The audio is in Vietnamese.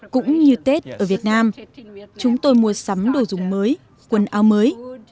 cũng như tết ở việt nam chúng tôi mua sắm đồ dùng mới quần áo mới